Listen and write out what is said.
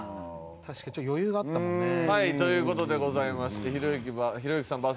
確かに余裕があったもんね。という事でございましてひろゆきさん